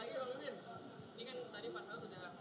ini kan tadi pas aku juga gak main